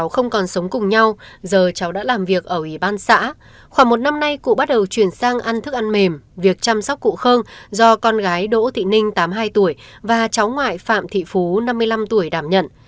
khoảng một năm nay cụ bắt đầu chuyển sang ăn thức ăn mềm việc chăm sóc cụ khơn do con gái đỗ thị ninh tám mươi hai tuổi và cháu ngoại phạm thị phú năm mươi năm tuổi đảm nhận